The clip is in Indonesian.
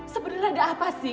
sebenernya ada apa sih